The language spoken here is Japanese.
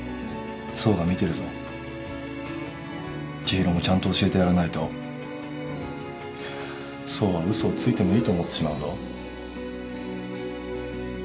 ちひろもちゃんと教えてやらないと爽は嘘をついてもいいと思ってしまうぞ。